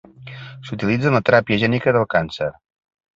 S'utilitza en la teràpia gènica del càncer.